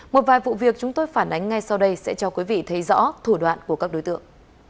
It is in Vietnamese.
một vài vụ việc chúng tôi phản ánh ngay sau đây sẽ cho quý vị thấy rõ thủ đoạn của các đối tượng